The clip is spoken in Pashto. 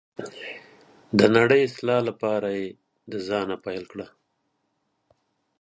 د نړۍ اصلاح لپاره یې د ځانه پیل کړئ.